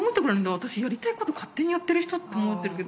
私やりたいこと勝手にやってる人って思ってるけど。